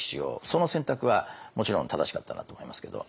その選択はもちろん正しかったなと思いますけど。